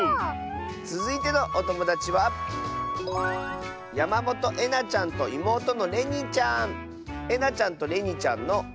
つづいてのおともだちはえなちゃんとれにちゃんの。